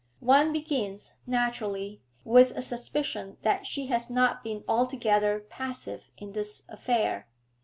One begins, naturally, with a suspicion that she has not been altogether passive in this affair.